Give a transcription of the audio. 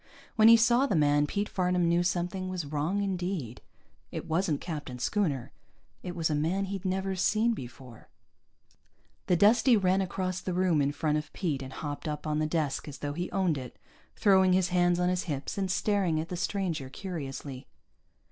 When he saw the man, Pete Farnam knew something was wrong indeed. It wasn't Captain Schooner. It was a man he'd never seen before. The Dustie ran across the room in front of Pete and hopped up on the desk as though he owned it, throwing his hands on his hips and staring at the stranger curiously.